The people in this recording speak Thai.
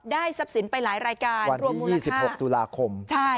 ได้ซับสินไปหลายรายการวันนี้ยี่สิบหกตุลาคมใช่